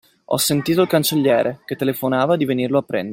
Ho sentito il cancelliere, che telefonava di venirlo a prendere.